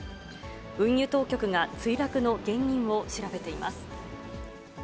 運輸当局が墜落の原因を調べています。